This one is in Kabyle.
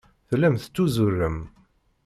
Tellam tettuzurem.